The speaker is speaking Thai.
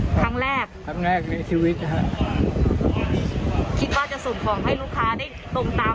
ครั้งแรกครั้งแรกในชีวิตนะฮะคิดว่าจะส่งของให้ลูกค้าได้ตรงตาม